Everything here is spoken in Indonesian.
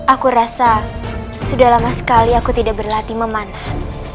aku rasa sudah lama sekali aku tidak berlatih memanah